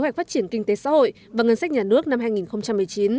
kế hoạch phát triển kinh tế xã hội và ngân sách nhà nước năm hai nghìn một mươi chín